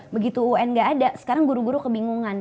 begitu un nggak ada sekarang guru guru kebingungan